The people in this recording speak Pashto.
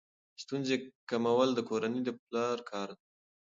ستونزې کمول د کورنۍ د پلار کار دی.